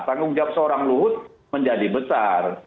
dan menggab seorang luhut menjadi besar